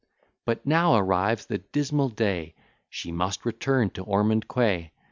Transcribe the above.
But now arrives the dismal day; She must return to Ormond Quay.